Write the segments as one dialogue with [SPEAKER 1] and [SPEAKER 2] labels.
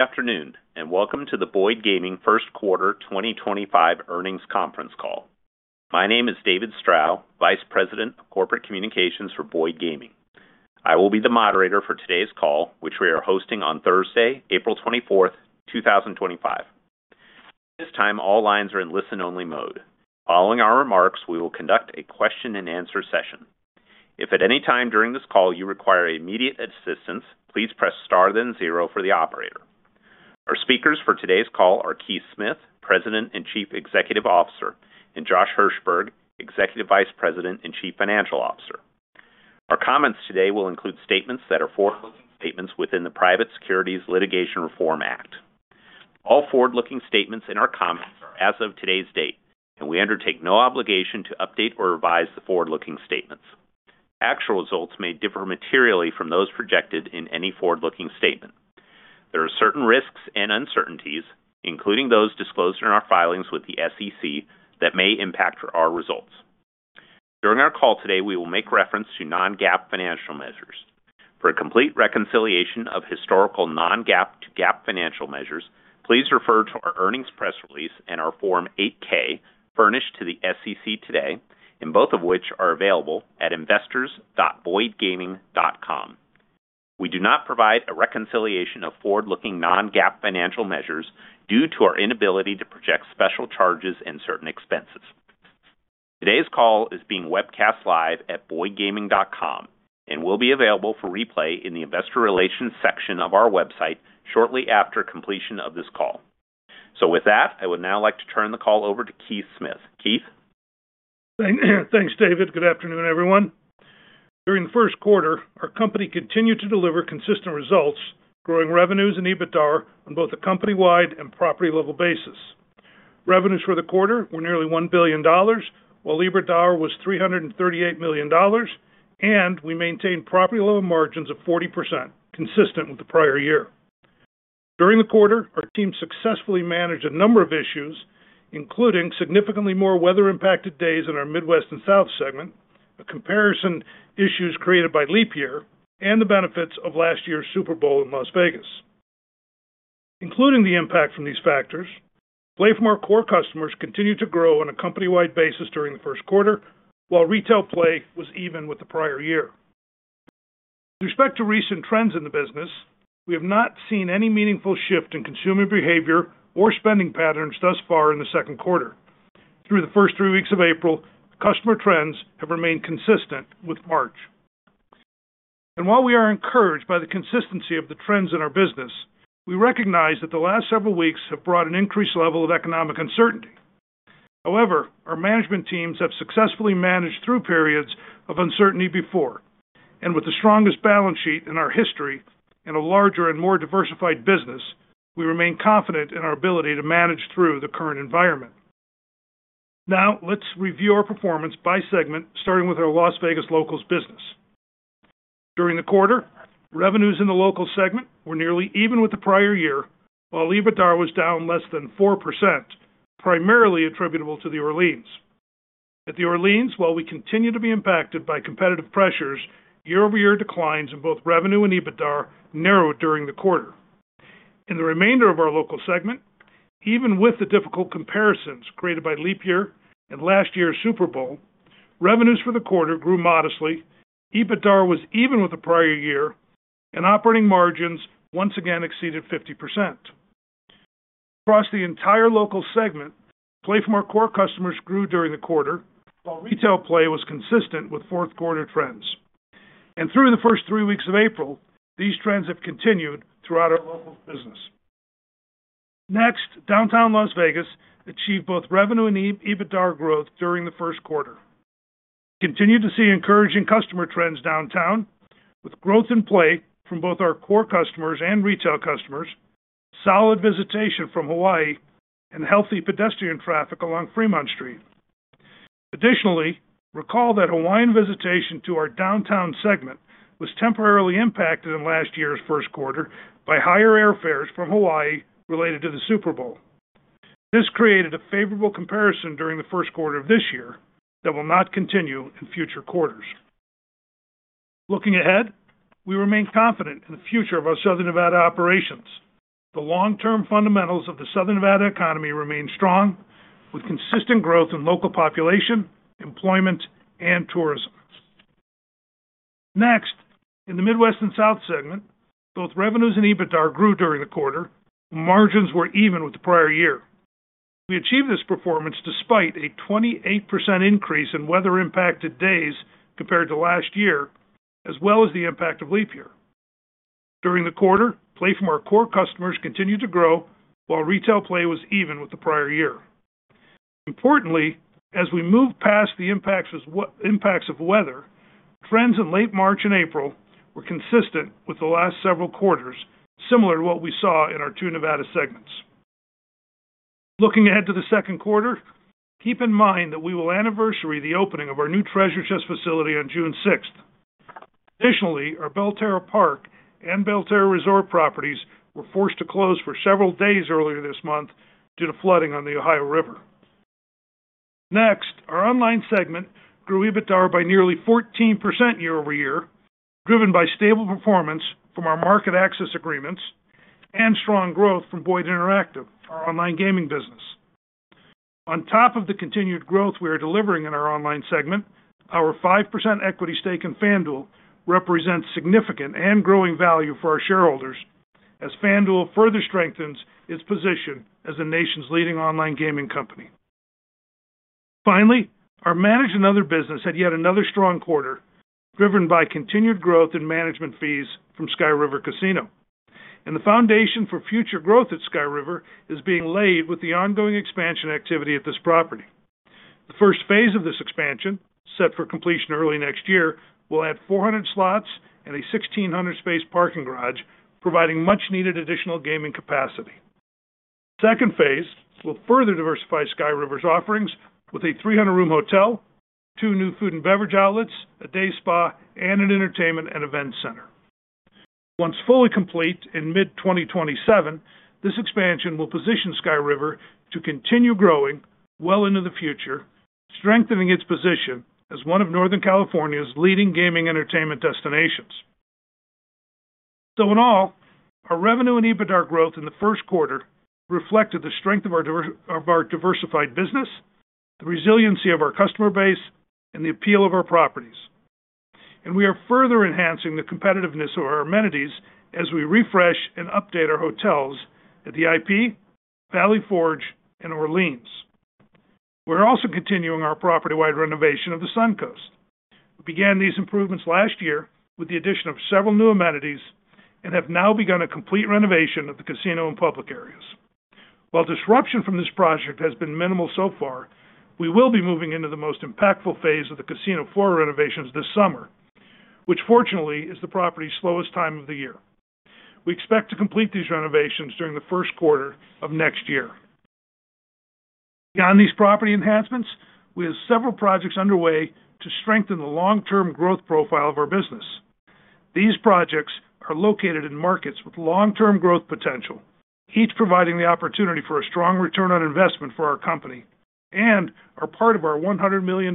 [SPEAKER 1] Good afternoon, and welcome to the Boyd Gaming first quarter 2025 earnings conference call. My name is David Strow, Vice President of Corporate Communications for Boyd Gaming. I will be the moderator for today's call, which we are hosting on Thursday, April 24th, 2025. At this time, all lines are in listen-only mode. Following our remarks, we will conduct a question-and-answer session. If at any time during this call you require immediate assistance, please press star then zero for the operator. Our speakers for today's call are Keith Smith, President and Chief Executive Officer, and Josh Hirsberg, Executive Vice President and Chief Financial Officer. Our comments today will include statements that are forward-looking statements within the Private Securities Litigation Reform Act. All forward-looking statements in our comments are as of today's date, and we undertake no obligation to update or revise the forward-looking statements. Actual results may differ materially from those projected in any forward-looking statement. There are certain risks and uncertainties, including those disclosed in our filings with the SEC, that may impact our results. During our call today, we will make reference to non-GAAP financial measures. For a complete reconciliation of historical non-GAAP to GAAP financial measures, please refer to our earnings press release and our Form 8-K furnished to the SEC today, both of which are available at investors.boydgaming.com. We do not provide a reconciliation of forward-looking non-GAAP financial measures due to our inability to project special charges and certain expenses. Today's call is being webcast live at boydgaming.com and will be available for replay in the investor relations section of our website shortly after completion of this call. I would now like to turn the call over to Keith Smith. Keith.
[SPEAKER 2] Thanks, David. Good afternoon, everyone. During the first quarter, our company continued to deliver consistent results, growing revenues and EBITDA on both a company-wide and property-level basis. Revenues for the quarter were nearly $1 billion, while EBITDA was $338 million, and we maintained property-level margins of 40%, consistent with the prior year. During the quarter, our team successfully managed a number of issues, including significantly more weather-impacted days in our Midwest and South segment, comparison issues created by Leap Year, and the benefits of last year's Super Bowl in Las Vegas. Including the impact from these factors, play from our core customers continued to grow on a company-wide basis during the first quarter, while retail play was even with the prior year. With respect to recent trends in the business, we have not seen any meaningful shift in consumer behavior or spending patterns thus far in the second quarter. Through the first three weeks of April, customer trends have remained consistent with March. While we are encouraged by the consistency of the trends in our business, we recognize that the last several weeks have brought an increased level of economic uncertainty. However, our management teams have successfully managed through periods of uncertainty before, and with the strongest balance sheet in our history and a larger and more diversified business, we remain confident in our ability to manage through the current environment. Now, let's review our performance by segment, starting with our Las Vegas locals business. During the quarter, revenues in the local segment were nearly even with the prior year, while EBITDA was down less than 4%, primarily attributable to the Orleans. At the Orleans, while we continue to be impacted by competitive pressures, year-over-year declines in both revenue and EBITDA narrowed during the quarter. In the remainder of our local segment, even with the difficult comparisons created by Leap Year and last year's Super Bowl, revenues for the quarter grew modestly, EBITDA was even with the prior year, and operating margins once again exceeded 50%. Across the entire local segment, play from our core customers grew during the quarter, while retail play was consistent with fourth-quarter trends. Through the first three weeks of April, these trends have continued throughout our local business. Next, Downtown Las Vegas achieved both revenue and EBITDA growth during the first quarter. We continued to see encouraging customer trends downtown, with growth in play from both our core customers and retail customers, solid visitation from Hawaii, and healthy pedestrian traffic along Fremont Street. Additionally, recall that Hawaiian visitation to our downtown segment was temporarily impacted in last year's first quarter by higher airfares from Hawaii related to the Super Bowl. This created a favorable comparison during the first quarter of this year that will not continue in future quarters. Looking ahead, we remain confident in the future of our Southern Nevada operations. The long-term fundamentals of the Southern Nevada economy remain strong, with consistent growth in local population, employment, and tourism. Next, in the Midwest and South segment, both revenues and EBITDA grew during the quarter, and margins were even with the prior year. We achieved this performance despite a 28% increase in weather-impacted days compared to last year, as well as the impact of Leap Year. During the quarter, play from our core customers continued to grow, while retail play was even with the prior year. Importantly, as we move past the impacts of weather, trends in late March and April were consistent with the last several quarters, similar to what we saw in our two Nevada segments. Looking ahead to the second quarter, keep in mind that we will anniversary the opening of our new Treasure Chest Casino facility on June 6th. Additionally, our Belterra Park and Belterra Resort properties were forced to close for several days earlier this month due to flooding on the Ohio River. Next, our online segment grew EBITDA by nearly 14% year-over-year, driven by stable performance from our market access agreements and strong growth from Boyd Interactive, our online gaming business. On top of the continued growth we are delivering in our online segment, our 5% equity stake in FanDuel represents significant and growing value for our shareholders, as FanDuel further strengthens its position as the nation's leading online gaming company. Finally, our managed and other business had yet another strong quarter, driven by continued growth in management fees from Sky River Casino. The foundation for future growth at Sky River is being laid with the ongoing expansion activity at this property. The first phase of this expansion, set for completion early next year, will add 400 slots and a 1,600-space parking garage, providing much-needed additional gaming capacity. The second phase will further diversify Sky River's offerings with a 300-room hotel, two new food and beverage outlets, a day spa, and an entertainment and events center. Once fully complete in mid-2027, this expansion will position Sky River to continue growing well into the future, strengthening its position as one of Northern California's leading gaming entertainment destinations In all, our revenue and EBITDA growth in the first quarter reflected the strength of our diversified business, the resiliency of our customer base, and the appeal of our properties. We are further enhancing the competitiveness of our amenities as we refresh and update our hotels at the IP, Valley Forge, and Orleans. We're also continuing our property-wide renovation of the Suncoast. We began these improvements last year with the addition of several new amenities and have now begun a complete renovation of the casino and public areas. While disruption from this project has been minimal so far, we will be moving into the most impactful phase of the casino floor renovations this summer, which fortunately is the property's slowest time of the year. We expect to complete these renovations during the first quarter of next year. Beyond these property enhancements, we have several projects underway to strengthen the long-term growth profile of our business. These projects are located in markets with long-term growth potential, each providing the opportunity for a strong return on investment for our company and are part of our $100 million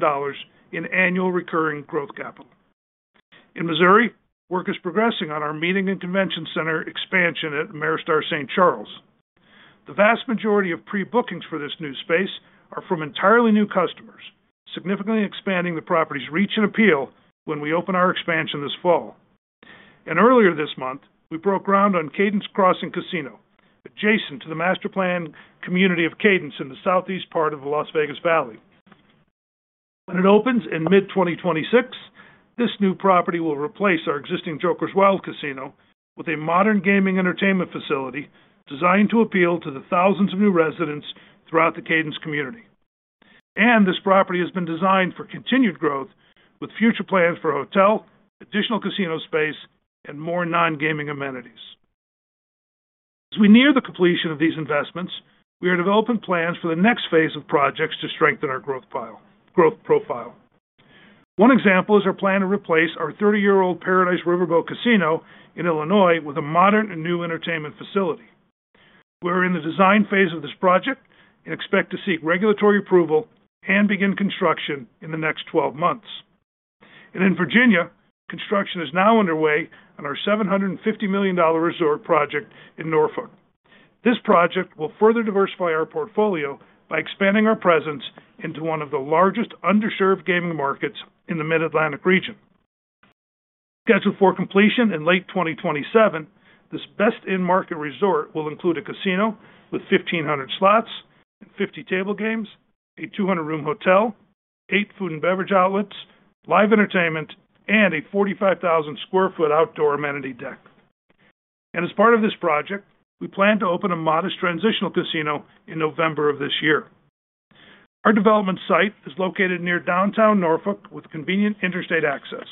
[SPEAKER 2] in annual recurring growth capital. In Missouri, work is progressing on our meeting and convention center expansion at Ameristar St. Charles. The vast majority of pre-bookings for this new space are from entirely new customers, significantly expanding the property's reach and appeal when we open our expansion this fall. Earlier this month, we broke ground on Cadence Crossing Casino, adjacent to the master planned community of Cadence in the southeast part of the Las Vegas Valley. When it opens in mid-2026, this new property will replace our existing Jokers Wild Casino with a modern gaming entertainment facility designed to appeal to the thousands of new residents throughout the Cadence community. This property has been designed for continued growth, with future plans for a hotel, additional casino space, and more non-gaming amenities. As we near the completion of these investments, we are developing plans for the next phase of projects to strengthen our growth profile. One example is our plan to replace our 30-year-old Par-A-Dice Riverboat Casino in Illinois with a modern and new entertainment facility. We are in the design phase of this project and expect to seek regulatory approval and begin construction in the next 12 months. In Virginia, construction is now underway on our $750 million resort project in Norfolk. This project will further diversify our portfolio by expanding our presence into one of the largest underserved gaming markets in the Mid-Atlantic region. Scheduled for completion in late 2027, this best-in-market resort will include a casino with 1,500 slots, 50 table games, a 200-room hotel, eight food and beverage outlets, live entertainment, and a 45,000 sq ft outdoor amenity deck. As part of this project, we plan to open a modest transitional casino in November of this year. Our development site is located near downtown Norfolk with convenient interstate access.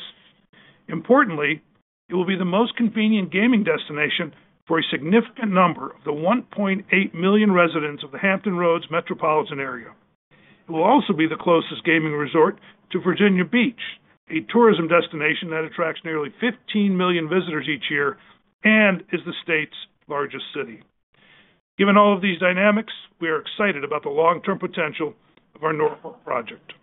[SPEAKER 2] Importantly, it will be the most convenient gaming destination for a significant number of the 1.8 million residents of the Hampton Roads metropolitan area. It will also be the closest gaming resort to Virginia Beach, a tourism destination that attracts nearly 15 million visitors each year and is the state's largest city. Given all of these dynamics, we are excited about the long-term potential of our Norfolk project.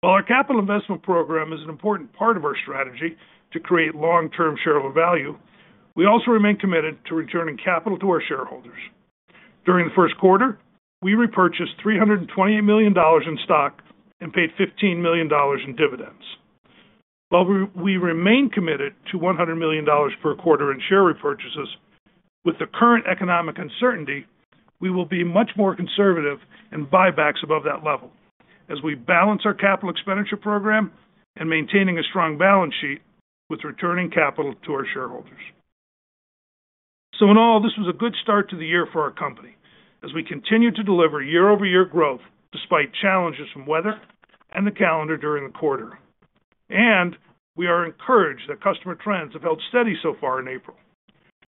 [SPEAKER 2] While our capital investment program is an important part of our strategy to create long-term shareholder value, we also remain committed to returning capital to our shareholders. During the first quarter, we repurchased $328 million in stock and paid $15 million in dividends. While we remain committed to $100 million per quarter in share repurchases, with the current economic uncertainty, we will be much more conservative and buybacks above that level as we balance our capital expenditure program and maintain a strong balance sheet with returning capital to our shareholders. In all, this was a good start to the year for our company as we continue to deliver year-over-year growth despite challenges from weather and the calendar during the quarter. We are encouraged that customer trends have held steady so far in April.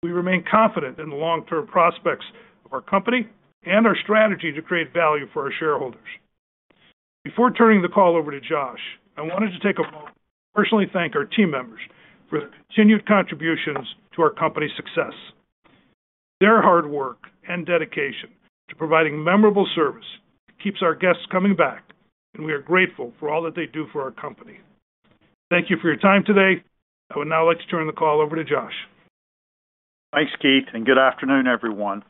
[SPEAKER 2] We remain confident in the long-term prospects of our company and our strategy to create value for our shareholders. Before turning the call over to Josh, I wanted to take a moment to personally thank our team members for their continued contributions to our company's success. Their hard work and dedication to providing memorable service keeps our guests coming back, and we are grateful for all that they do for our company. Thank you for your time today. I would now like to turn the call over to Josh.
[SPEAKER 3] Thanks, Keith, and good afternoon, everyone.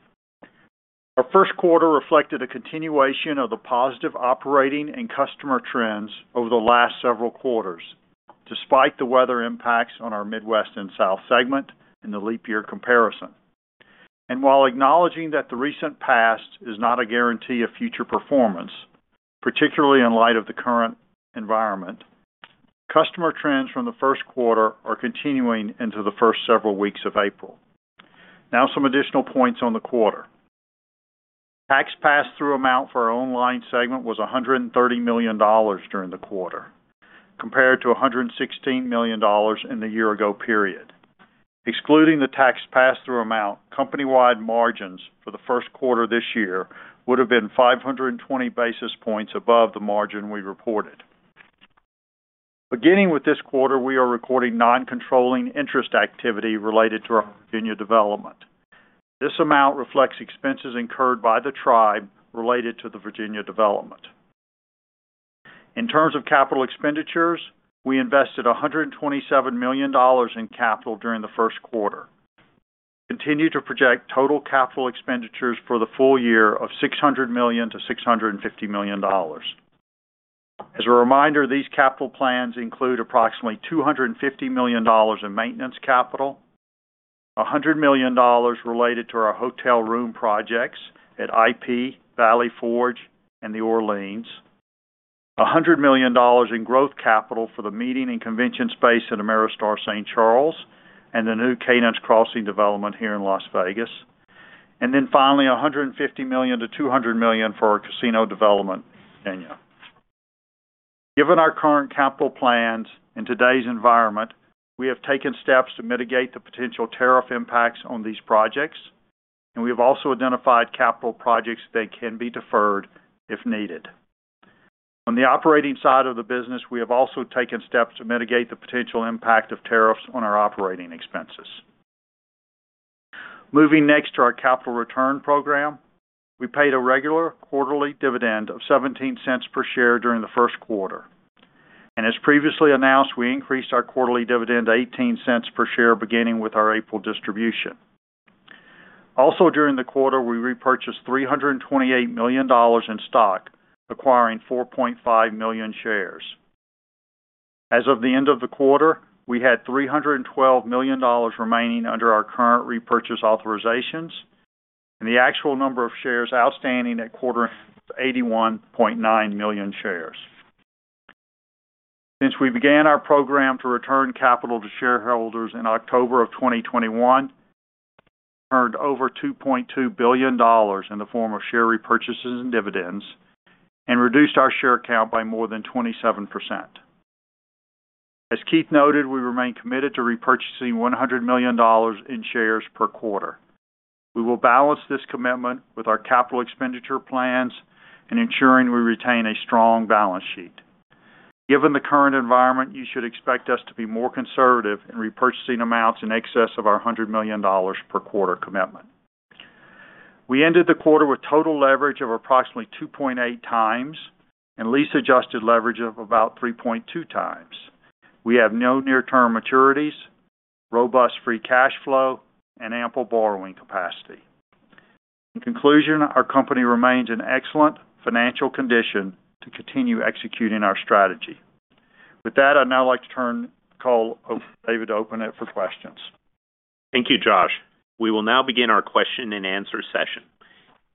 [SPEAKER 3] Our first quarter reflected a continuation of the positive operating and customer trends over the last several quarters, despite the weather impacts on our Midwest and South segment in the Leap Year comparison. While acknowledging that the recent past is not a guarantee of future performance, particularly in light of the current environment, customer trends from the first quarter are continuing into the first several weeks of April. Now, some additional points on the quarter. Tax pass-through amount for our online segment was $130 million during the quarter, compared to $116 million in the year-ago period. Excluding the tax pass-through amount, company-wide margins for the first quarter this year would have been 520 basis points above the margin we reported. Beginning with this quarter, we are recording non-controlling interest activity related to our Virginia development. This amount reflects expenses incurred by the tribe related to the Virginia development. In terms of capital expenditures, we invested $127 million in capital during the first quarter. We continue to project total capital expenditures for the full year of $600 million-$650 million. As a reminder, these capital plans include approximately $250 million in maintenance capital, $100 million related to our hotel room projects at IP, Valley Forge, and the Orleans, $100 million in growth capital for the meeting and convention space at Ameristar St. Charles and the new Cadence Crossing development here in Las Vegas, and then finally $150 million-$200 million for our casino development in Virginia. Given our current capital plans and today's environment, we have taken steps to mitigate the potential tariff impacts on these projects, and we have also identified capital projects that can be deferred if needed. On the operating side of the business, we have also taken steps to mitigate the potential impact of tariffs on our operating expenses. Moving next to our capital return program, we paid a regular quarterly dividend of $0.17 per share during the first quarter. As previously announced, we increased our quarterly dividend to $0.18 per share beginning with our April distribution. Also during the quarter, we repurchased $328 million in stock, acquiring 4.5 million shares. As of the end of the quarter, we had $312 million remaining under our current repurchase authorizations, and the actual number of shares outstanding at quarter end was 81.9 million shares. Since we began our program to return capital to shareholders in October of 2021, we've returned over $2.2 billion in the form of share repurchases and dividends and reduced our share count by more than 27%. As Keith noted, we remain committed to repurchasing $100 million in shares per quarter. We will balance this commitment with our capital expenditure plans and ensuring we retain a strong balance sheet. Given the current environment, you should expect us to be more conservative in repurchasing amounts in excess of our $100 million per quarter commitment. We ended the quarter with total leverage of approximately 2.8x and lease-adjusted leverage of about 3.2x. We have no near-term maturities, robust free cash flow, and ample borrowing capacity. In conclusion, our company remains in excellent financial condition to continue executing our strategy. With that, I'd now like to turn the call over to David to open it for questions.
[SPEAKER 1] Thank you, Josh. We will now begin our question-and-answer session.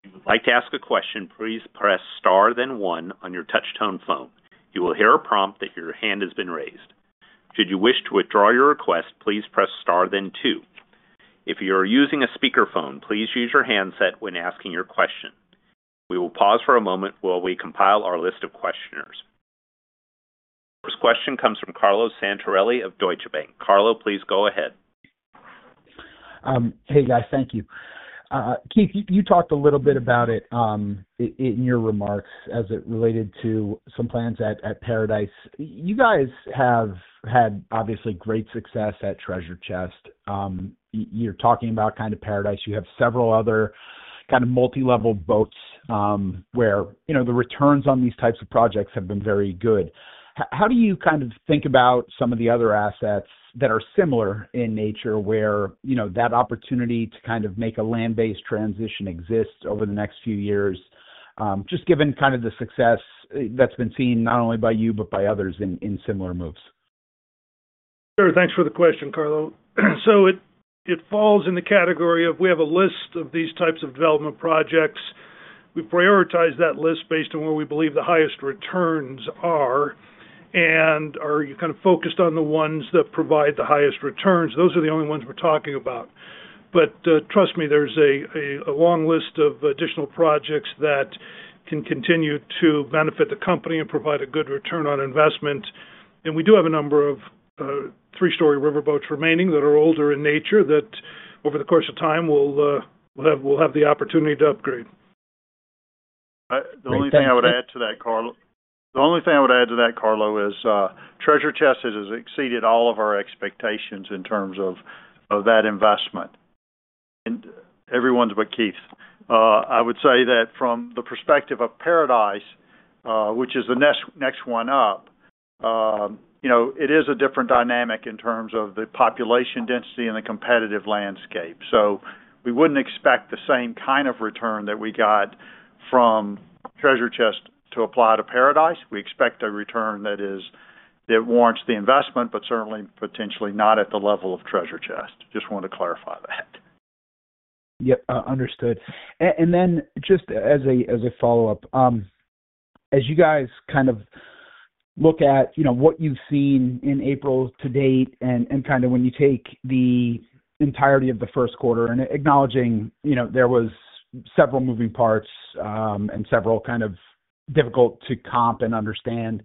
[SPEAKER 1] If you would like to ask a question, please press star then one on your touch-tone phone. You will hear a prompt that your hand has been raised. Should you wish to withdraw your request, please press star then two. If you are using a speakerphone, please use your handset when asking your question. We will pause for a moment while we compile our list of questioners. The first question comes from Carlo Santarelli of Deutsche Bank. Carlo, please go ahead.
[SPEAKER 4] Hey, guys. Thank you. Keith, you talked a little bit about it in your remarks as it related to some plans at Par-A-Dice. You guys have had, obviously, great success at Treasure Chest. You're talking about kind of Par-A-Dice. You have several other kind of multi-level boats where the returns on these types of projects have been very good. How do you kind of think about some of the other assets that are similar in nature where that opportunity to kind of make a land-based transition exists over the next few years, just given kind of the success that's been seen not only by you but by others in similar moves?
[SPEAKER 2] Sure. Thanks for the question, Carlo. It falls in the category of we have a list of these types of development projects. We prioritize that list based on where we believe the highest returns are. Are you kind of focused on the ones that provide the highest returns? Those are the only ones we're talking about. Trust me, there's a long list of additional projects that can continue to benefit the company and provide a good return on investment. We do have a number of three-story riverboats remaining that are older in nature that over the course of time we'll have the opportunity to upgrade.
[SPEAKER 3] The only thing I would add to that, Carlo, is Treasure Chest has exceeded all of our expectations in terms of that investment. And everyone's but Keith. I would say that from the perspective of Par-A-Dice, which is the next one up, it is a different dynamic in terms of the population density and the competitive landscape. We would not expect the same kind of return that we got from Treasure Chest to apply to Par-A-Dice. We expect a return that warrants the investment, but certainly potentially not at the level of Treasure Chest. Just wanted to clarify that.
[SPEAKER 4] Yep. Understood. Just as a follow-up, as you guys kind of look at what you've seen in April to date and kind of when you take the entirety of the first quarter, and acknowledging there were several moving parts and several kind of difficult-to-comp and understand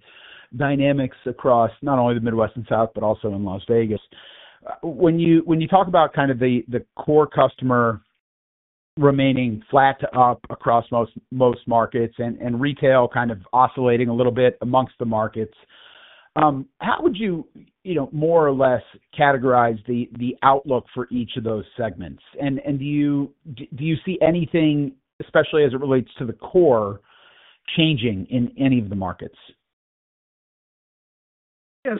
[SPEAKER 4] dynamics across not only the Midwest and South, but also in Las Vegas. When you talk about kind of the core customer remaining flat up across most markets and retail kind of oscillating a little bit amongst the markets, how would you more or less categorize the outlook for each of those segments? Do you see anything, especially as it relates to the core, changing in any of the markets?
[SPEAKER 2] Yeah.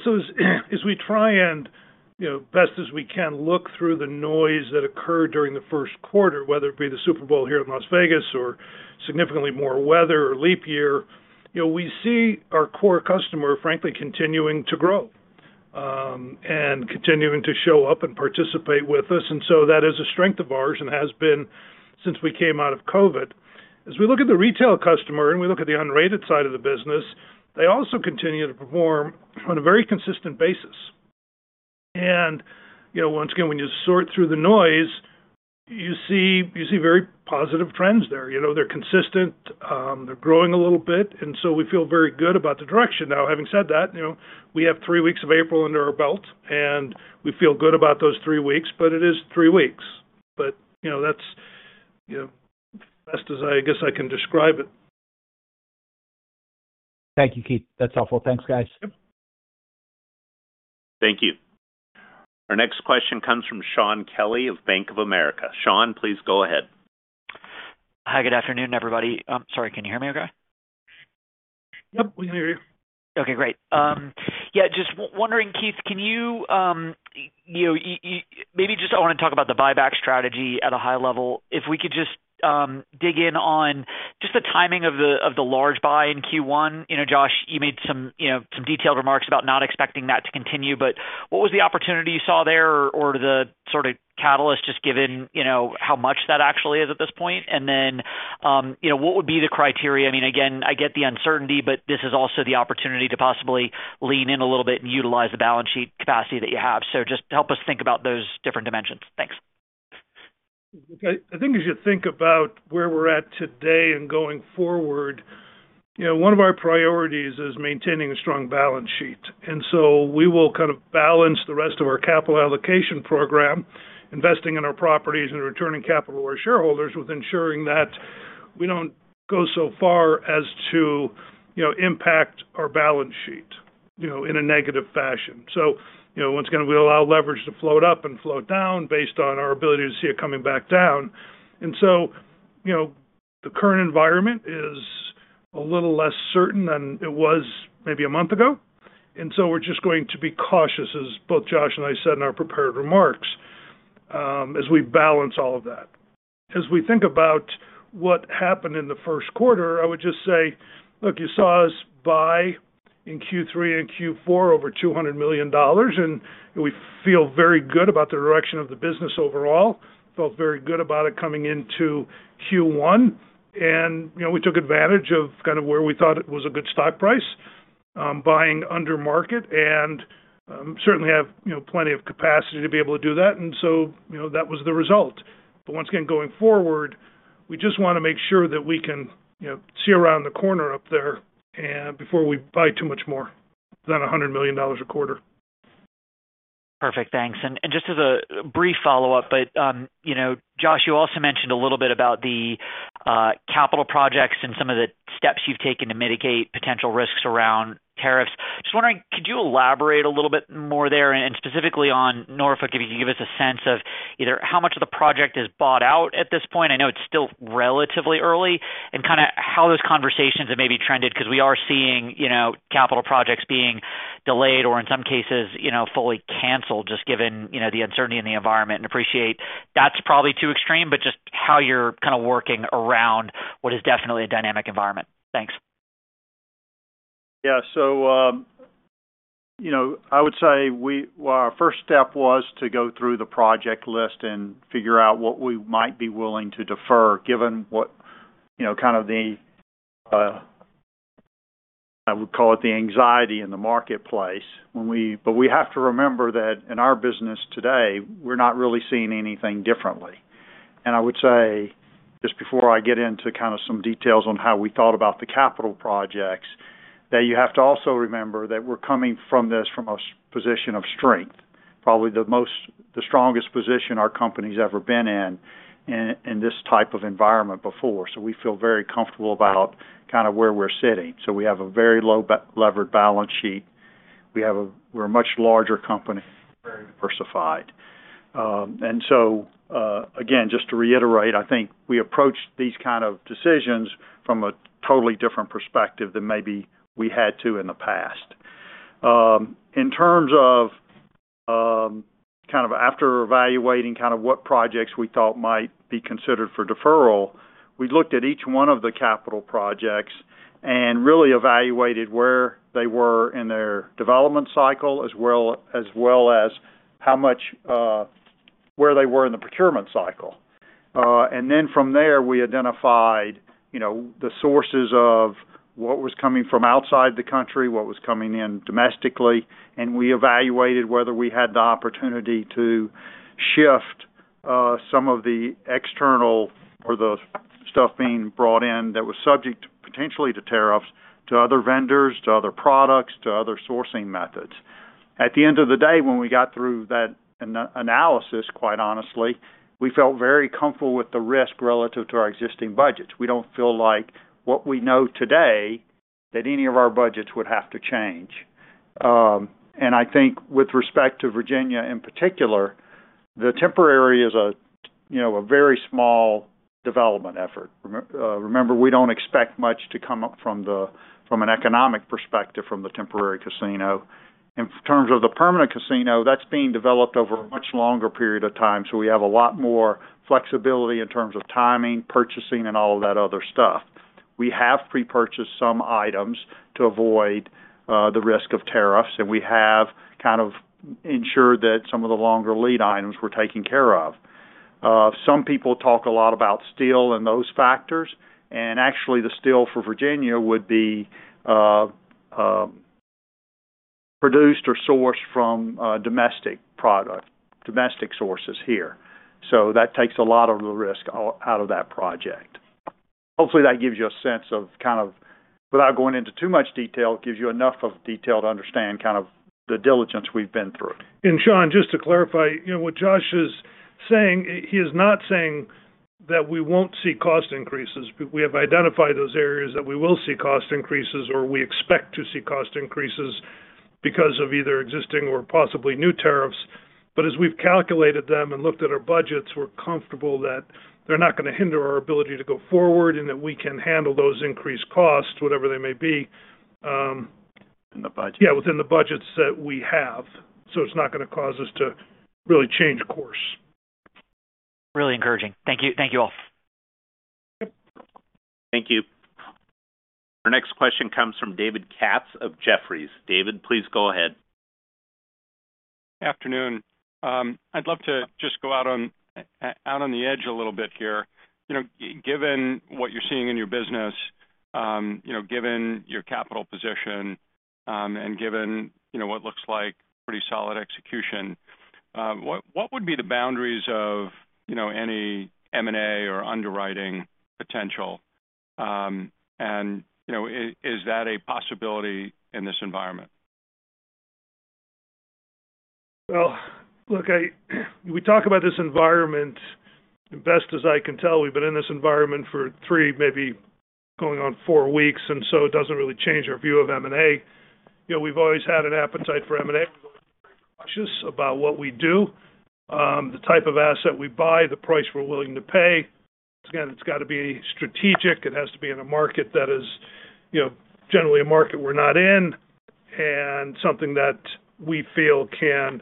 [SPEAKER 2] As we try and, best as we can, look through the noise that occurred during the first quarter, whether it be the Super Bowl here in Las Vegas or significantly more weather or leap year, we see our core customer, frankly, continuing to grow and continuing to show up and participate with us. That is a strength of ours and has been since we came out of COVID. As we look at the retail customer and we look at the unrated side of the business, they also continue to perform on a very consistent basis. Once again, when you sort through the noise, you see very positive trends there. They're consistent. They're growing a little bit. We feel very good about the direction. Now, having said that, we have three weeks of April under our belt, and we feel good about those three weeks, but it is three weeks. That is as best as I guess I can describe it.
[SPEAKER 4] Thank you, Keith. That's helpful. Thanks, guys.
[SPEAKER 3] Yep.
[SPEAKER 1] Thank you. Our next question comes from Shaun Kelley of Bank of America. Shaun, please go ahead.
[SPEAKER 5] Hi. Good afternoon, everybody. I'm sorry. Can you hear me okay?
[SPEAKER 2] Yep. We can hear you.
[SPEAKER 5] Okay. Great. Yeah. Just wondering, Keith, can you maybe just I want to talk about the buyback strategy at a high level. If we could just dig in on just the timing of the large buy in Q1. Josh, you made some detailed remarks about not expecting that to continue, but what was the opportunity you saw there or the sort of catalyst just given how much that actually is at this point? What would be the criteria? I mean, again, I get the uncertainty, but this is also the opportunity to possibly lean in a little bit and utilize the balance sheet capacity that you have. Just help us think about those different dimensions. Thanks.
[SPEAKER 2] Okay. I think as you think about where we're at today and going forward, one of our priorities is maintaining a strong balance sheet. We will kind of balance the rest of our capital allocation program, investing in our properties and returning capital to our shareholders with ensuring that we don't go so far as to impact our balance sheet in a negative fashion. Once again, we'll allow leverage to float up and float down based on our ability to see it coming back down. The current environment is a little less certain than it was maybe a month ago. We are just going to be cautious, as both Josh and I said in our prepared remarks, as we balance all of that. As we think about what happened in the first quarter, I would just say, look, you saw us buy in Q3 and Q4 over $200 million, and we feel very good about the direction of the business overall. Felt very good about it coming into Q1. We took advantage of kind of where we thought it was a good stock price, buying under market, and certainly have plenty of capacity to be able to do that. That was the result. Once again, going forward, we just want to make sure that we can see around the corner up there before we buy too much more than $100 million a quarter.
[SPEAKER 5] Perfect. Thanks. Just as a brief follow-up, Josh, you also mentioned a little bit about the capital projects and some of the steps you've taken to mitigate potential risks around tariffs. Just wondering, could you elaborate a little bit more there and specifically on Norfolk, if you can give us a sense of either how much of the project is bought out at this point? I know it's still relatively early. Kind of how those conversations have maybe trended because we are seeing capital projects being delayed or, in some cases, fully canceled just given the uncertainty in the environment. I appreciate that's probably too extreme, but just how you're kind of working around what is definitely a dynamic environment. Thanks.
[SPEAKER 3] Yeah. I would say our first step was to go through the project list and figure out what we might be willing to defer, given what kind of the, I would call it, the anxiety in the marketplace. We have to remember that in our business today, we're not really seeing anything differently. I would say, just before I get into kind of some details on how we thought about the capital projects, that you have to also remember that we're coming from this from a position of strength, probably the strongest position our company's ever been in in this type of environment before. We feel very comfortable about kind of where we're sitting. We have a very low-levered balance sheet. We're a much larger company. We're very diversified. Just to reiterate, I think we approached these kind of decisions from a totally different perspective than maybe we had to in the past. In terms of after evaluating what projects we thought might be considered for deferral, we looked at each one of the capital projects and really evaluated where they were in their development cycle as well as where they were in the procurement cycle. From there, we identified the sources of what was coming from outside the country, what was coming in domestically. We evaluated whether we had the opportunity to shift some of the external or the stuff being brought in that was subject potentially to tariffs to other vendors, to other products, to other sourcing methods. At the end of the day, when we got through that analysis, quite honestly, we felt very comfortable with the risk relative to our existing budgets. We do not feel like what we know today that any of our budgets would have to change. I think with respect to Virginia in particular, the temporary is a very small development effort. Remember, we do not expect much to come up from an economic perspective from the temporary casino. In terms of the permanent casino, that is being developed over a much longer period of time. We have a lot more flexibility in terms of timing, purchasing, and all of that other stuff. We have pre-purchased some items to avoid the risk of tariffs, and we have kind of ensured that some of the longer lead items were taken care of. Some people talk a lot about steel and those factors. Actually, the steel for Virginia would be produced or sourced from domestic products, domestic sources here. That takes a lot of the risk out of that project. Hopefully, that gives you a sense of, kind of without going into too much detail, it gives you enough of detail to understand kind of the diligence we've been through.
[SPEAKER 2] Shaun, just to clarify, what Josh is saying, he is not saying that we will not see cost increases. We have identified those areas that we will see cost increases or we expect to see cost increases because of either existing or possibly new tariffs. As we have calculated them and looked at our budgets, we are comfortable that they are not going to hinder our ability to go forward and that we can handle those increased costs, whatever they may be.
[SPEAKER 3] Within the budget.
[SPEAKER 2] Yeah, within the budgets that we have. It's not going to cause us to really change course.
[SPEAKER 5] Really encouraging. Thank you. Thank you all.
[SPEAKER 2] Yep.
[SPEAKER 1] Thank you. Our next question comes from David Katz of Jefferies. David, please go ahead.
[SPEAKER 6] Good afternoon. I'd love to just go out on the edge a little bit here. Given what you're seeing in your business, given your capital position, and given what looks like pretty solid execution, what would be the boundaries of any M&A or underwriting potential? Is that a possibility in this environment?
[SPEAKER 2] Look, we talk about this environment. And best as I can tell, we've been in this environment for three, maybe going on four weeks. It does not really change our view of M&A. We've always had an appetite for M&A. We're very cautious about what we do, the type of asset we buy, the price we're willing to pay. Once again, it's got to be strategic. It has to be in a market that is generally a market we're not in and something that we feel can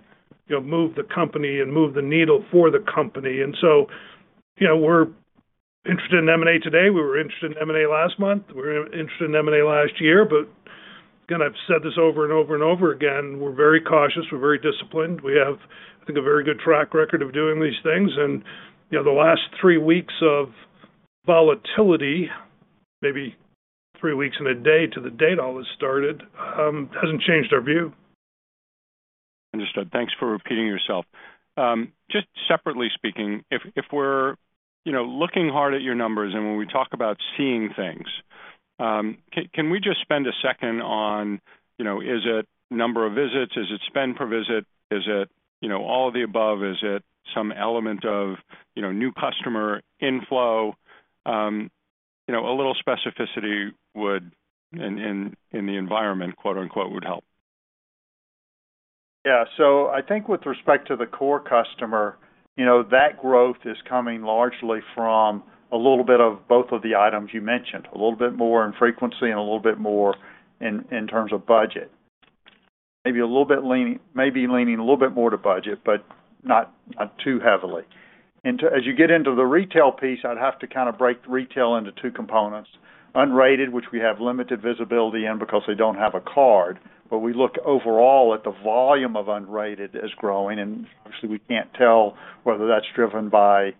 [SPEAKER 2] move the company and move the needle for the company. We're interested in M&A today. We were interested in M&A last month. We were interested in M&A last year. Again, I've said this over and over and over again. We're very cautious. We're very disciplined. We have, I think, a very good track record of doing these things. The last three weeks of volatility, maybe three weeks and a day to the date all this started, hasn't changed our view.
[SPEAKER 1] Understood. Thanks for repeating yourself. Just separately speaking, if we're looking hard at your numbers and when we talk about seeing things, can we just spend a second on, is it number of visits? Is it spend per visit? Is it all of the above? Is it some element of new customer inflow? A little specificity would, in the environment, quote-unquote, would help.
[SPEAKER 3] Yeah. I think with respect to the core customer, that growth is coming largely from a little bit of both of the items you mentioned, a little bit more in frequency and a little bit more in terms of budget. Maybe leaning a little bit more to budget, but not too heavily. As you get into the retail piece, I'd have to kind of break retail into two components: unrated, which we have limited visibility in because they do not have a card. We look overall at the volume of unrated as growing. Obviously, we cannot tell whether that is driven by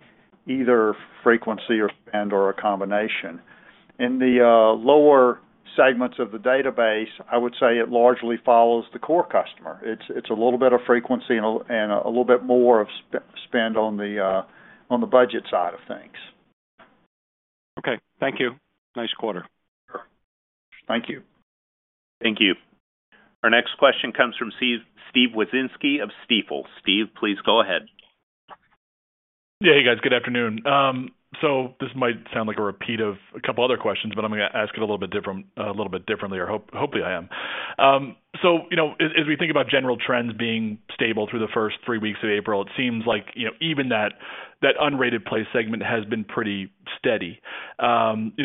[SPEAKER 3] either frequency or spend or a combination. In the lower segments of the database, I would say it largely follows the core customer. It's a little bit of frequency and a little bit more of spend on the budget side of things.
[SPEAKER 6] Okay. Thank you. Nice quarter.
[SPEAKER 3] Sure. Thank you.
[SPEAKER 1] Thank you. Our next question comes from Steve Wieczynski of Stifel. Steve, please go ahead.
[SPEAKER 7] Yeah. Hey, guys. Good afternoon. This might sound like a repeat of a couple other questions, but I'm going to ask it a little bit differently. Hopefully, I am. As we think about general trends being stable through the first three weeks of April, it seems like even that unrated play segment has been pretty steady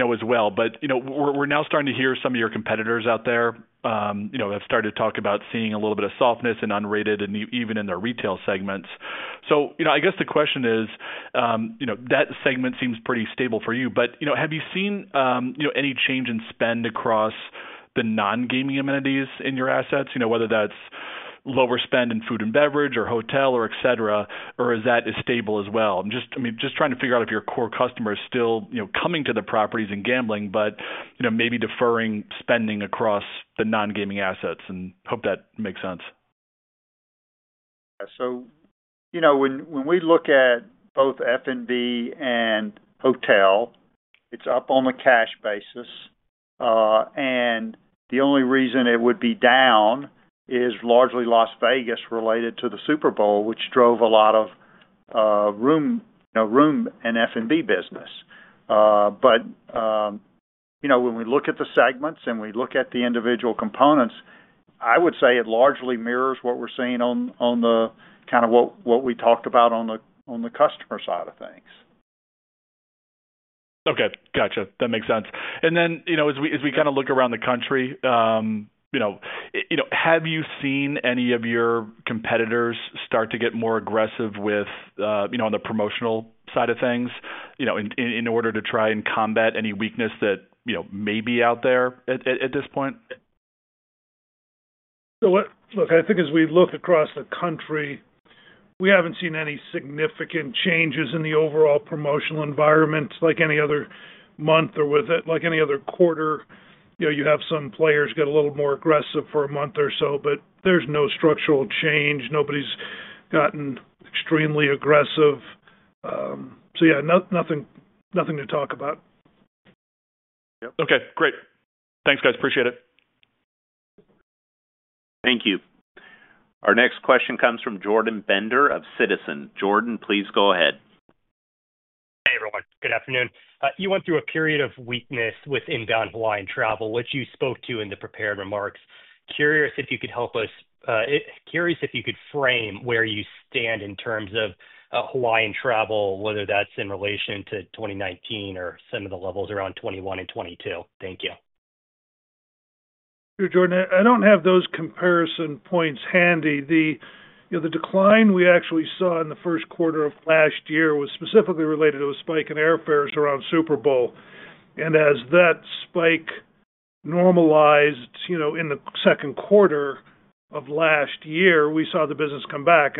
[SPEAKER 7] as well. We're now starting to hear some of your competitors out there have started to talk about seeing a little bit of softness in unrated and even in their retail segments. I guess the question is, that segment seems pretty stable for you. Have you seen any change in spend across the non-gaming amenities in your assets, whether that's lower spend in food and beverage or hotel or etc., or is that stable as well? I mean, just trying to figure out if your core customer is still coming to the properties and gambling, but maybe deferring spending across the non-gaming assets. I hope that makes sense.
[SPEAKER 3] Yeah. When we look at both F&B and hotel, it's up on a cash basis. The only reason it would be down is largely Las Vegas related to the Super Bowl, which drove a lot of room and F&B business. When we look at the segments and we look at the individual components, I would say it largely mirrors what we're seeing on the kind of what we talked about on the customer side of things.
[SPEAKER 7] Okay. Gotcha. That makes sense. As we kind of look around the country, have you seen any of your competitors start to get more aggressive on the promotional side of things in order to try and combat any weakness that may be out there at this point?
[SPEAKER 2] Look, I think as we look across the country, we haven't seen any significant changes in the overall promotional environment like any other month or with any other quarter. You have some players get a little more aggressive for a month or so, but there's no structural change. Nobody's gotten extremely aggressive. Yeah, nothing to talk about.
[SPEAKER 7] Okay. Great. Thanks, guys. Appreciate it.
[SPEAKER 1] Thank you. Our next question comes from Jordan Bender of Citizens. Jordan, please go ahead.
[SPEAKER 8] Hey, everyone. Good afternoon. You went through a period of weakness with inbound Hawaiian travel, which you spoke to in the prepared remarks. Curious if you could help us, curious if you could frame where you stand in terms of Hawaiian travel, whether that's in relation to 2019 or some of the levels around 2021 and 2022. Thank you.
[SPEAKER 2] Jordan, I don't have those comparison points handy. The decline we actually saw in the first quarter of last year was specifically related to a spike in airfares around Super Bowl. As that spike normalized in the second quarter of last year, we saw the business come back.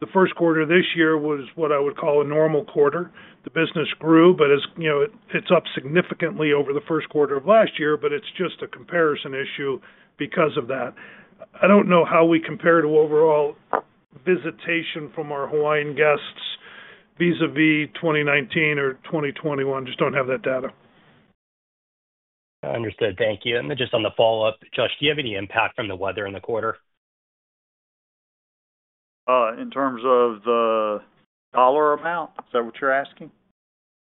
[SPEAKER 2] The first quarter of this year was what I would call a normal quarter. The business grew, but it's up significantly over the first quarter of last year. It's just a comparison issue because of that. I don't know how we compare to overall visitation from our Hawaiian guests vis-à-vis 2019 or 2021. I just don't have that data.
[SPEAKER 8] Understood. Thank you. Just on the follow-up, Josh, do you have any impact from the weather in the quarter?
[SPEAKER 3] In terms of the dollar amount? Is that what you're asking?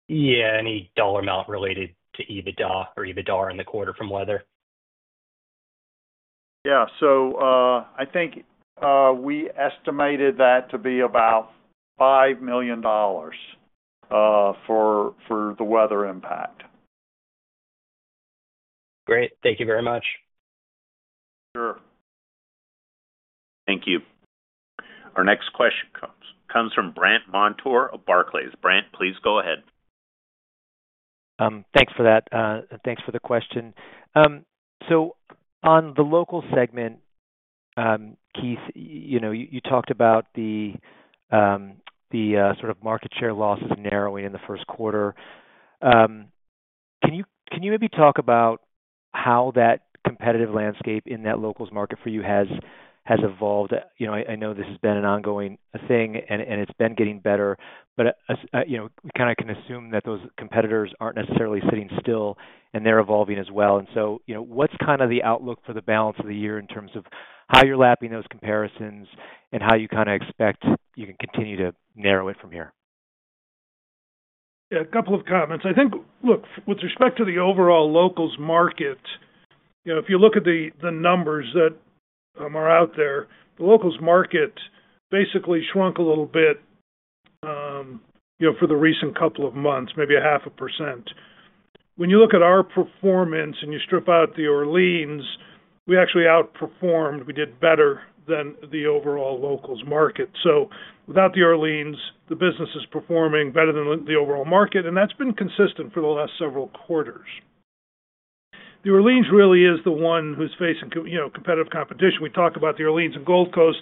[SPEAKER 8] Yeah. Any dollar amount related to EBITDA or EBITDAR in the quarter from weather?
[SPEAKER 3] Yeah. I think we estimated that to be about $5 million for the weather impact.
[SPEAKER 8] Great. Thank you very much.
[SPEAKER 3] Sure.
[SPEAKER 1] Thank you. Our next question comes from Brandt Montour of Barclays. Brandt, please go ahead.
[SPEAKER 9] Thanks for that. Thanks for the question. On the local segment, Keith, you talked about the sort of market share losses narrowing in the first quarter. Can you maybe talk about how that competitive landscape in that locals market for you has evolved? I know this has been an ongoing thing, and it's been getting better. We kind of can assume that those competitors aren't necessarily sitting still, and they're evolving as well. What's kind of the outlook for the balance of the year in terms of how you're lapping those comparisons and how you kind of expect you can continue to narrow it from here?
[SPEAKER 2] Yeah. A couple of comments. I think, look, with respect to the overall locals market, if you look at the numbers that are out there, the locals market basically shrunk a little bit for the recent couple of months, maybe a half a percent. When you look at our performance and you strip out the Orleans, we actually outperformed. We did better than the overall locals market. Without the Orleans, the business is performing better than the overall market. That has been consistent for the last several quarters. The Orleans really is the one who is facing competitive competition. We talk about the Orleans and Gold Coast.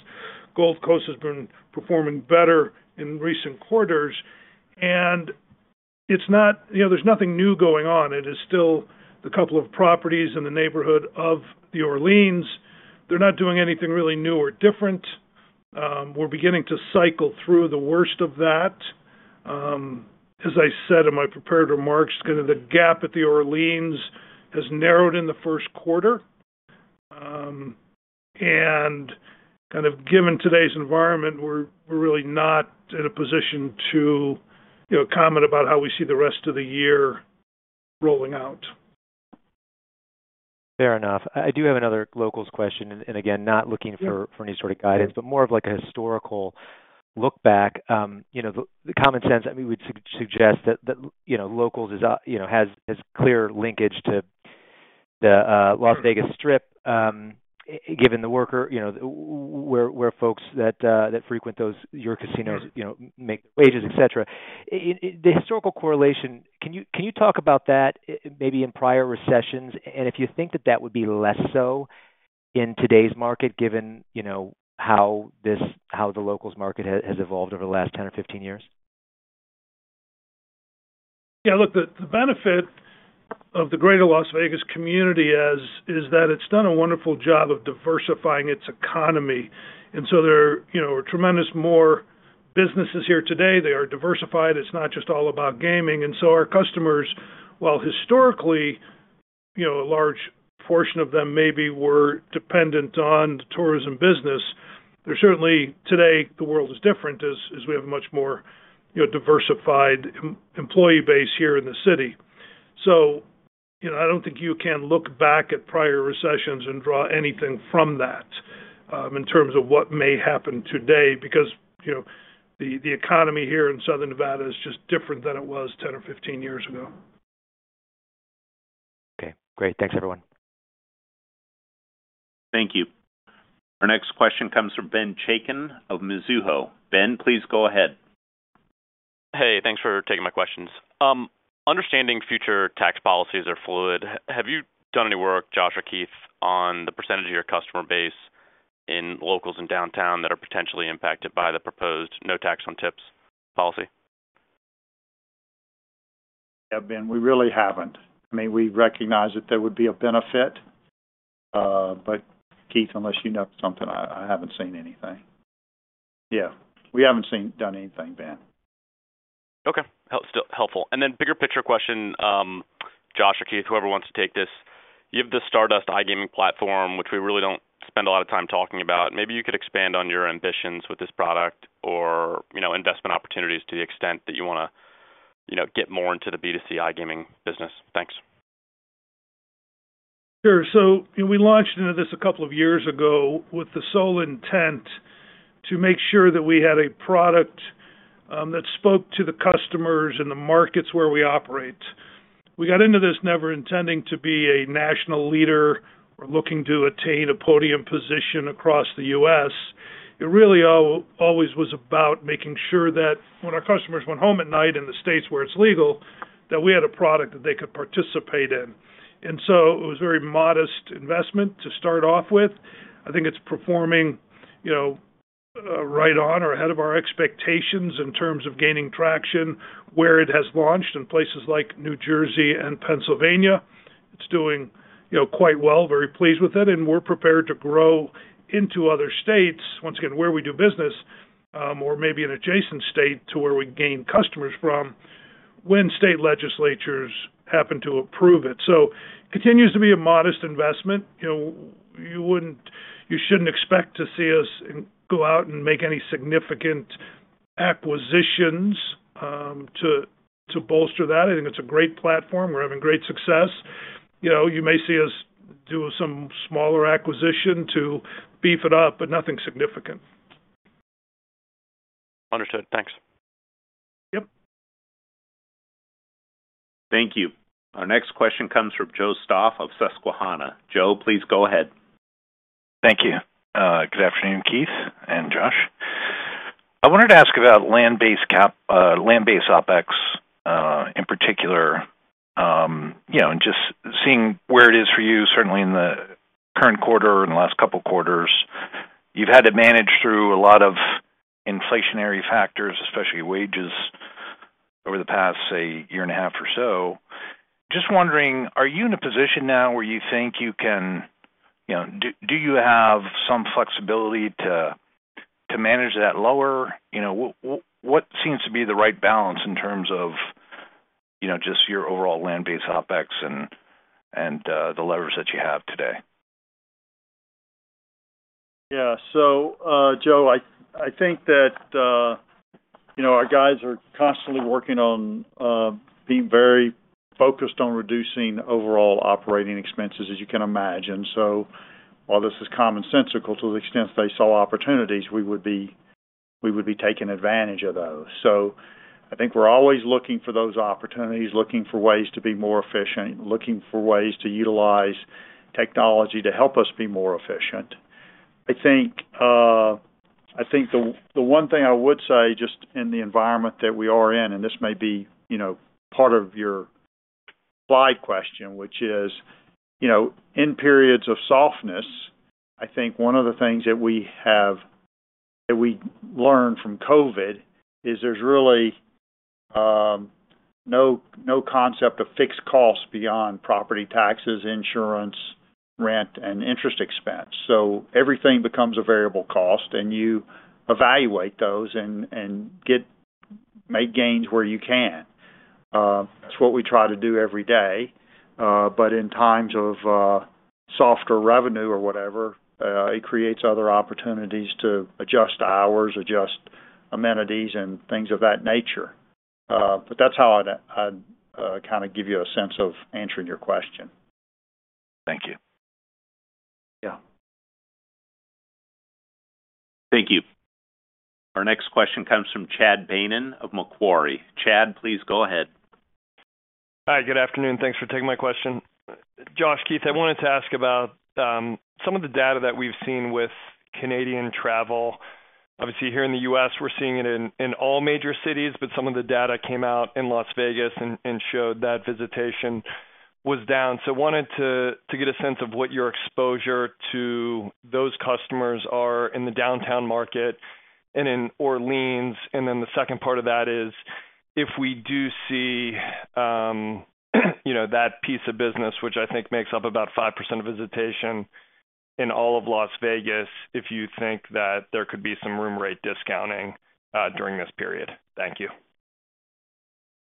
[SPEAKER 2] Gold Coast has been performing better in recent quarters. There is nothing new going on. It is still the couple of properties in the neighborhood of the Orleans. They are not doing anything really new or different. We're beginning to cycle through the worst of that. As I said in my prepared remarks, kind of the gap at the Orleans has narrowed in the first quarter. Given today's environment, we're really not in a position to comment about how we see the rest of the year rolling out.
[SPEAKER 9] Fair enough. I do have another locals question. Again, not looking for any sort of guidance, but more of like a historical look back. The common sense, I mean, would suggest that locals has clear linkage to the Las Vegas Strip, given the work where folks that frequent your casinos make their wages, etc. The historical correlation, can you talk about that maybe in prior recessions? If you think that that would be less so in today's market, given how the locals market has evolved over the last 10 or 15 years?
[SPEAKER 2] Yeah. Look, the benefit of the greater Las Vegas community is that it's done a wonderful job of diversifying its economy. There are tremendous more businesses here today. They are diversified. It's not just all about gaming. Our customers, while historically a large portion of them maybe were dependent on the tourism business, there's certainly today the world is different as we have a much more diversified employee base here in the city. I don't think you can look back at prior recessions and draw anything from that in terms of what may happen today because the economy here in Southern Nevada is just different than it was 10 or 15 years ago.
[SPEAKER 9] Okay. Great. Thanks, everyone.
[SPEAKER 1] Thank you. Our next question comes from Ben Chaiken of Mizuho. Ben, please go ahead.
[SPEAKER 10] Hey, thanks for taking my questions. Understanding future tax policies are fluid. Have you done any work, Josh or Keith, on the percentage of your customer base in locals and downtown that are potentially impacted by the proposed no tax on tips policy?
[SPEAKER 3] Yeah, Ben, we really haven't. I mean, we recognize that there would be a benefit. Keith, unless you know something, I haven't seen anything. Yeah. We haven't done anything, Ben.
[SPEAKER 10] Okay. Helpful. Then bigger picture question, Josh or Keith, whoever wants to take this. You have the Stardust iGaming platform, which we really do not spend a lot of time talking about. Maybe you could expand on your ambitions with this product or investment opportunities to the extent that you want to get more into the B2C iGaming business. Thanks.
[SPEAKER 2] Sure. We launched into this a couple of years ago with the sole intent to make sure that we had a product that spoke to the customers and the markets where we operate. We got into this never intending to be a national leader or looking to attain a podium position across the U.S. It really always was about making sure that when our customers went home at night in the states where it's legal, that we had a product that they could participate in. It was a very modest investment to start off with. I think it's performing right on or ahead of our expectations in terms of gaining traction where it has launched in places like New Jersey and Pennsylvania. It's doing quite well. Very pleased with it. We are prepared to grow into other states, once again, where we do business or maybe an adjacent state to where we gain customers from when state legislatures happen to approve it. It continues to be a modest investment. You should not expect to see us go out and make any significant acquisitions to bolster that. I think it is a great platform. We are having great success. You may see us do some smaller acquisition to beef it up, but nothing significant.
[SPEAKER 10] Understood. Thanks.
[SPEAKER 2] Yep.
[SPEAKER 1] Thank you. Our next question comes from Joe Stauff of Susquehanna. Joe, please go ahead.
[SPEAKER 11] Thank you. Good afternoon, Keith and Josh. I wanted to ask about land-based OpEx in particular and just seeing where it is for you, certainly in the current quarter and last couple of quarters. You've had to manage through a lot of inflationary factors, especially wages, over the past, say, year and a half or so. Just wondering, are you in a position now where you think you can do you have some flexibility to manage that lower? What seems to be the right balance in terms of just your overall land-based OpEx and the levers that you have today?
[SPEAKER 2] Yeah. Joe, I think that our guys are constantly working on being very focused on reducing overall operating expenses, as you can imagine. While this is commonsensical to the extent they saw opportunities, we would be taking advantage of those. I think we're always looking for those opportunities, looking for ways to be more efficient, looking for ways to utilize technology to help us be more efficient. I think the one thing I would say just in the environment that we are in, and this may be part of your slide question, which is in periods of softness, I think one of the things that we learned from COVID is there's really no concept of fixed costs beyond property taxes, insurance, rent, and interest expense. Everything becomes a variable cost, and you evaluate those and make gains where you can. That's what we try to do every day. In times of softer revenue or whatever, it creates other opportunities to adjust hours, adjust amenities, and things of that nature. That's how I'd kind of give you a sense of answering your question.
[SPEAKER 11] Thank you.
[SPEAKER 2] Yeah.
[SPEAKER 1] Thank you. Our next question comes from Chad Beynon of Macquarie. Chad, please go ahead.
[SPEAKER 12] Hi. Good afternoon. Thanks for taking my question. Josh, Keith, I wanted to ask about some of the data that we've seen with Canadian travel. Obviously, here in the U.S., we're seeing it in all major cities, but some of the data came out in Las Vegas and showed that visitation was down. I wanted to get a sense of what your exposure to those customers are in the downtown market and in Orleans. The second part of that is if we do see that piece of business, which I think makes up about 5% of visitation in all of Las Vegas, if you think that there could be some room rate discounting during this period. Thank you.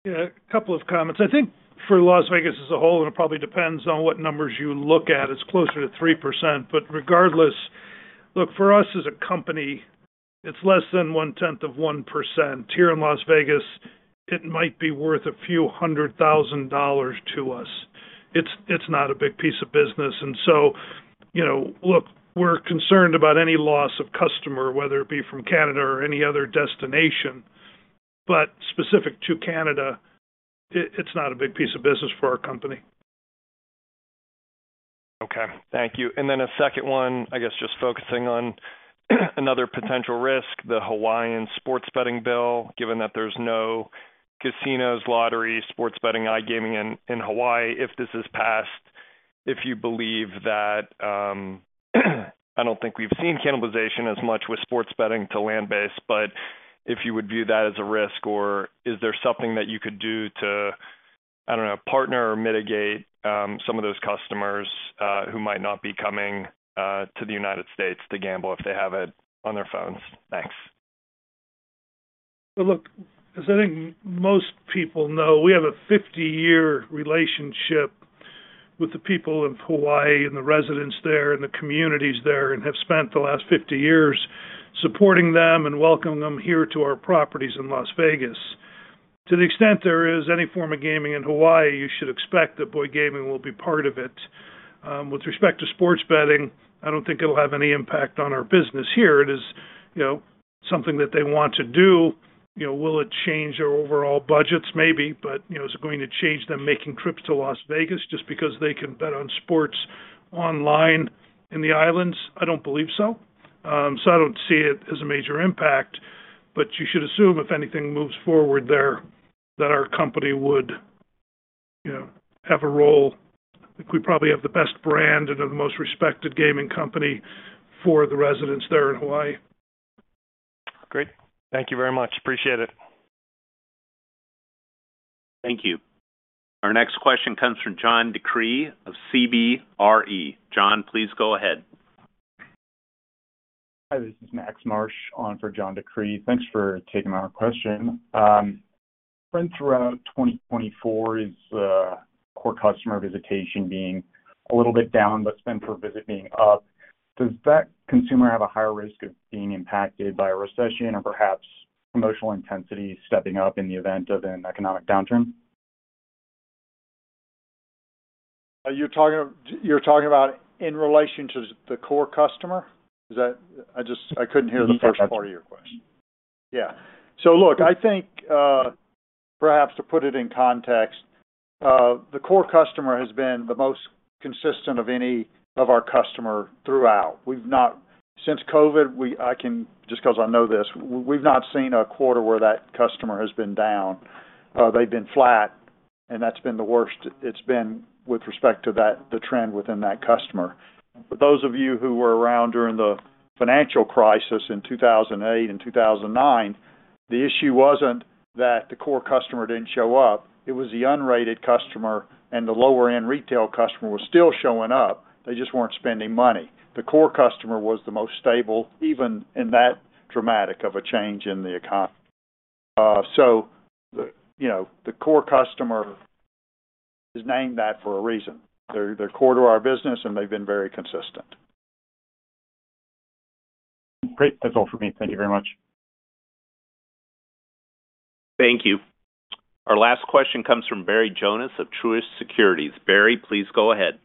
[SPEAKER 2] Yeah. A couple of comments. I think for Las Vegas as a whole, it probably depends on what numbers you look at. It's closer to 3%. Regardless, look, for us as a company, it's less than one-tenth of 1%. Here in Las Vegas, it might be worth a few hundred thousand dollars to us. It's not a big piece of business. We're concerned about any loss of customer, whether it be from Canada or any other destination. Specific to Canada, it's not a big piece of business for our company.
[SPEAKER 12] Okay. Thank you. Then a second one, I guess just focusing on another potential risk, the Hawaiian sports betting bill, given that there's no casinos, lotteries, sports betting, iGaming in Hawaii. If this is passed, if you believe that, I don't think we've seen cannibalization as much with sports betting to land-based, but if you would view that as a risk, or is there something that you could do to, I don't know, partner or mitigate some of those customers who might not be coming to the United States to gamble if they have it on their phones? Thanks.
[SPEAKER 2] As I think most people know, we have a 50-year relationship with the people of Hawaii and the residents there and the communities there and have spent the last 50 years supporting them and welcoming them here to our properties in Las Vegas. To the extent there is any form of gaming in Hawaii, you should expect that Boyd Gaming will be part of it. With respect to sports betting, I do not think it will have any impact on our business here. It is something that they want to do. Will it change our overall budgets? Maybe. Is it going to change them making trips to Las Vegas just because they can bet on sports online in the islands? I do not believe so. I do not see it as a major impact. You should assume, if anything moves forward there, that our company would have a role. I think we probably have the best brand and are the most respected gaming company for the residents there in Hawaii.
[SPEAKER 12] Great. Thank you very much. Appreciate it.
[SPEAKER 1] Thank you. Our next question comes from John DeCree of CBRE. John, please go ahead.
[SPEAKER 13] Hi. This is Max Marsh on for John DeCree. Thanks for taking my question. Spend throughout 2024 is core customer visitation being a little bit down, but spend per visit being up. Does that consumer have a higher risk of being impacted by a recession or perhaps promotional intensity stepping up in the event of an economic downturn?
[SPEAKER 3] You're talking about in relation to the core customer? I couldn't hear the first part of your question. Yeah. I think perhaps to put it in context, the core customer has been the most consistent of any of our customers throughout. Since COVID, I can just because I know this, we've not seen a quarter where that customer has been down. They've been flat, and that's been the worst it's been with respect to the trend within that customer. For those of you who were around during the financial crisis in 2008 and 2009, the issue wasn't that the core customer didn't show up. It was the unrated customer, and the lower-end retail customer was still showing up. They just weren't spending money. The core customer was the most stable, even in that dramatic of a change in the economy. The core customer is named that for a reason. They're core to our business, and they've been very consistent.
[SPEAKER 13] Great. That's all for me. Thank you very much.
[SPEAKER 1] Thank you. Our last question comes from Barry Jonas of Truist Securities. Barry, please go ahead.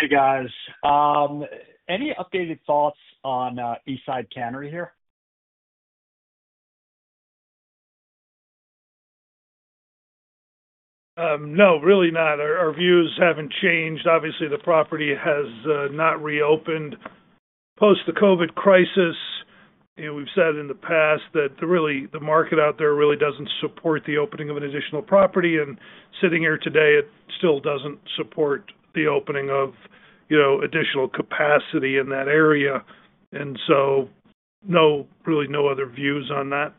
[SPEAKER 14] Hey, guys. Any updated thoughts on Eastside Cannery here?
[SPEAKER 2] No, really not. Our views haven't changed. Obviously, the property has not reopened post the COVID crisis. We've said in the past that really the market out there really doesn't support the opening of an additional property. Sitting here today, it still doesn't support the opening of additional capacity in that area. Really no other views on that.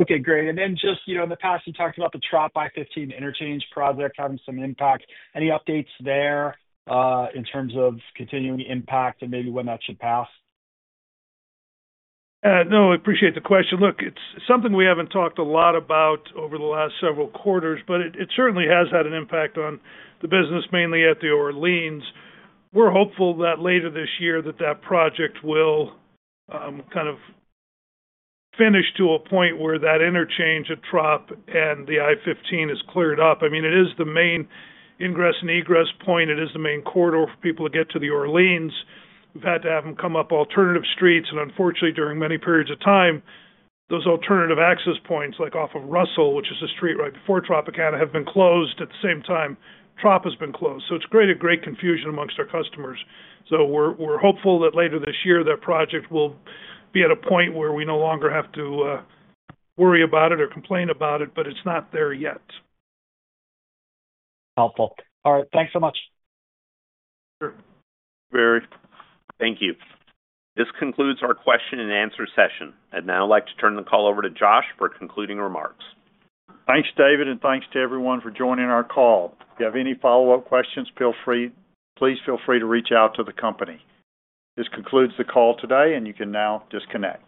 [SPEAKER 14] Okay. Great. In the past, you talked about the Trop I-15 interchange project having some impact. Any updates there in terms of continuing impact and maybe when that should pass?
[SPEAKER 2] No, I appreciate the question. Look, it's something we haven't talked a lot about over the last several quarters, but it certainly has had an impact on the business, mainly at the Orleans. We're hopeful that later this year that that project will kind of finish to a point where that interchange at Trop and the I-15 is cleared up. I mean, it is the main ingress and egress point. It is the main corridor for people to get to the Orleans. We've had to have them come up alternative streets. Unfortunately, during many periods of time, those alternative access points like off of Russell, which is the street right before Tropicana, have been closed. At the same time, Trop has been closed. It has created great confusion amongst our customers. We're hopeful that later this year, that project will be at a point where we no longer have to worry about it or complain about it, but it's not there yet.
[SPEAKER 14] Helpful. All right. Thanks so much.
[SPEAKER 2] Sure.
[SPEAKER 1] Thank you. This concludes our question-and-answer session. I'd now like to turn the call over to Josh for concluding remarks.
[SPEAKER 3] Thanks, David, and thanks to everyone for joining our call. If you have any follow-up questions, please feel free to reach out to the company. This concludes the call today, and you can now disconnect.